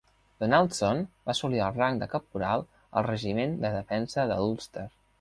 Donaldson va assolir el rang de caporal al regiment de defensa de l"Ulster.